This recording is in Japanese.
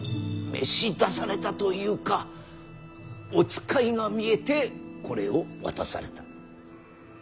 召し出されたというかお使いが見えてこれを渡された。